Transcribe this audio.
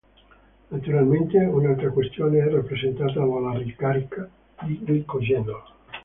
Naturalmente un'altra questione è rappresentata dalla ricarica di glicogeno.